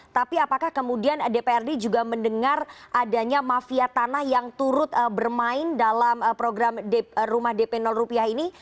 tapi apakah kemudian dprd juga mendengar adanya mafia tanah yang turut bermain dalam program rumah dp rupiah ini